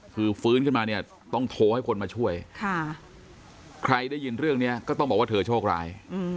คือฟื้นขึ้นมาเนี่ยต้องโทรให้คนมาช่วยใครได้ยินเรื่องนี้ก็ต้องบอกว่าเธอโชคร้าย